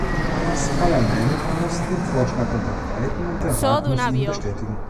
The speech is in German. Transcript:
Das Parlament muss den Vorschlag unterbreiten, und der Rat muss ihn bestätigen.